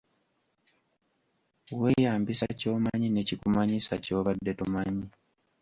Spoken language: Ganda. Weeyambisa ky'omanyi ne kikumanyisa ky'obadde tomanyi.